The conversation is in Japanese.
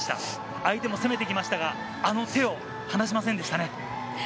相手も攻めてきましたがあの手を放しませんでしたね。